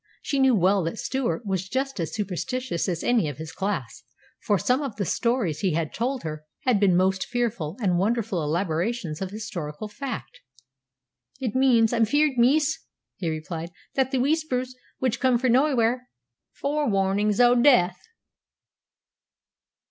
She knew well that Stewart was just as superstitious as any of his class, for some of the stories he had told her had been most fearful and wonderful elaborations of historical fact. "It means, I'm fear'd, miss," he replied, "that the Whispers which come frae naewhere are fore warnin's o' daith."